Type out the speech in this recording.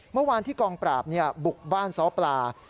เมื่อวานที่กองปราบบุกบ้านซ้อปลา